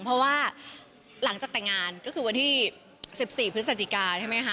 เพราะว่าหลังจากแต่งงานก็คือวันที่๑๔พฤศจิกาใช่ไหมคะ